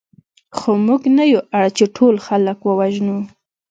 خو موږ نه یو اړ چې ټول خلک ووژنو